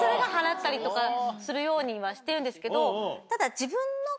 ようにはしてるんですけどただ。